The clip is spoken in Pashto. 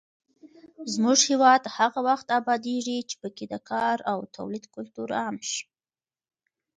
زموږ هېواد هغه وخت ابادېږي چې پکې د کار او تولید کلتور عام شي.